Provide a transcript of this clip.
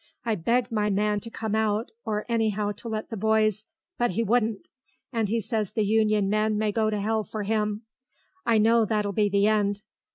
I begged my man to come out, or anyhow to let the boys, but he wouldn't, and he says the Union men may go to 'ell for 'im. I know what'll be the end.